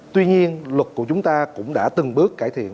tuy nhiên luật của chúng ta cũng đã từng bước cải thiện